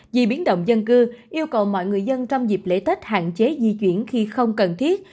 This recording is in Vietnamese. di biến động dân cư yêu cầu mọi người dân trong dịp lễ tết hạn chế di chuyển khi không cần thiết